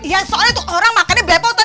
ya soalnya tuh orang makannya belepotan